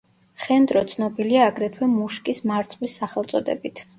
ხენდრო ცნობილია აგრეთვე მუშკის მარწყვის სახელწოდებით.